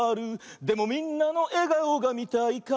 「でもみんなのえがおがみたいから」